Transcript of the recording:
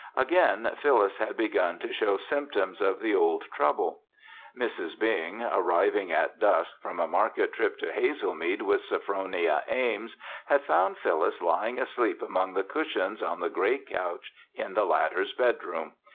Again, Phyllis had begun to show symptoms of the old trouble. Mrs. Bing, arriving at dusk from a market trip to Hazelmead with Sophronia Ames, had found Phyllis lying asleep among the cushions on the great couch in the latter's bedroom.